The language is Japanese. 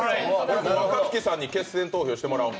若槻さんに決選投票してもらおう。